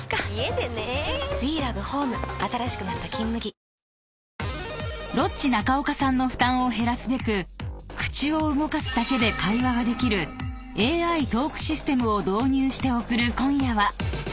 糖質ゼロ［ロッチ中岡さんの負担を減らすべく口を動かすだけで会話ができるＡＩトークシステムを導入して送る今夜は］